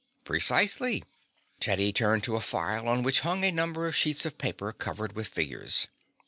"Precisely." Teddy turned to a file on which hung a number of sheets of paper covered with figures.